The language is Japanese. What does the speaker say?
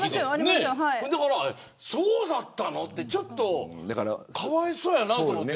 だから、そうだったのってちょっとかわいそうやなと思って。